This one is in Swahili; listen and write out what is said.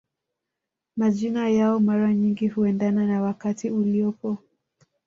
Majina yao mara nyingi huendana na wakati uliopo